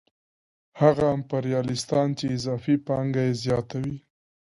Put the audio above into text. هغه امپریالیستان چې اضافي پانګه یې زیاته وي